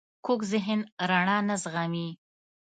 کوږ ذهن رڼا نه زغمي